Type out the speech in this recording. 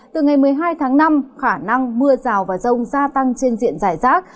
từ ngày một mươi hai tháng năm khả năng mưa rào và rông gia tăng trên diện giải rác